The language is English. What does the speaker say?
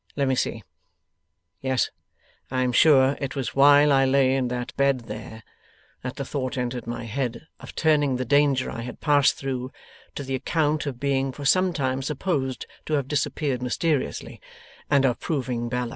Let me see. Yes. I am sure it was while I lay in that bed there, that the thought entered my head of turning the danger I had passed through, to the account of being for some time supposed to have disappeared mysteriously, and of proving Bella.